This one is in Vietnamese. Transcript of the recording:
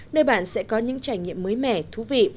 nơi bạn sẽ có những trải nghiệm mới mẻ thú vị